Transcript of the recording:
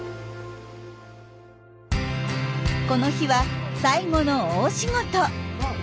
この日は最後の大仕事。